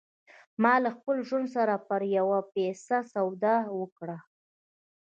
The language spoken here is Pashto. ما له خپل ژوند سره پر یوه پیسه سودا وکړه